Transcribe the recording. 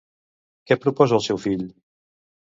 Què proposa el seu fill?